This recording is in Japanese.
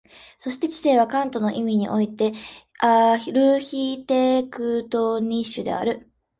そして知性はカントの意味においてアルヒテクトニッシュである。